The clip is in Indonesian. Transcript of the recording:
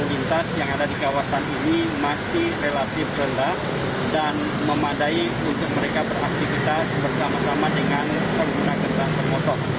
ini masih relatif rendah dan memadai untuk mereka beraktifitas bersama sama dengan penggunaan jalur sepeda permanen